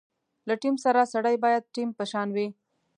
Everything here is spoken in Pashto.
له ټیم سره سړی باید ټیم په شان وي.